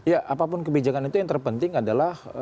ya apapun kebijakan itu yang terpenting adalah